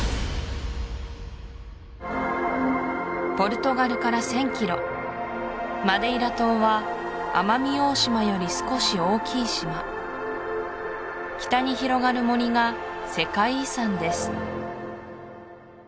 ポルトガルから１０００キロマデイラ島は奄美大島より少し大きい島北に広がる森が世界遺産です